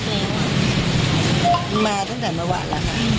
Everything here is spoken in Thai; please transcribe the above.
ใครตัวตายถึงไหมนะครับ